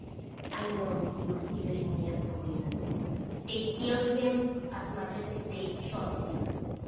I knowed he was steering near the wind; they 'd killed him as much as if they 'd shot him.